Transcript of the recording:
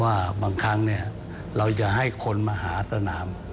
ว่าบางครั้งเนี่ยเราจะให้คนมหาตระนาม